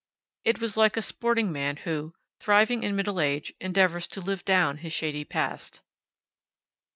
It was like a sporting man who, thriving in middle age, endeavors to live down his shady past.